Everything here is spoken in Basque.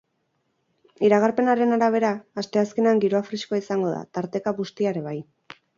Iragarpenaren arabera, asteazkenean giroa freskoa izango da, tarteka bustia ere bai.